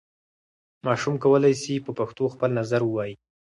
ماشوم کولای سي په پښتو خپل نظر ووايي.